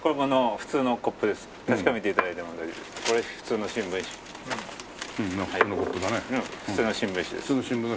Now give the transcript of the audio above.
普通の新聞紙です。